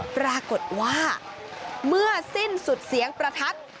ปรากฏว่าเมื่อสิ้นสุดเสียงประทัด